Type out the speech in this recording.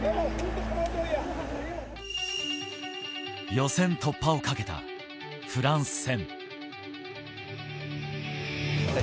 予選突破をかけたフランス戦。